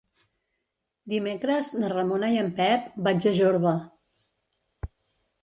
Dimecres na Ramona i en Pep vaig a Jorba.